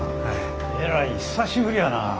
えらい久しぶりやなぁ。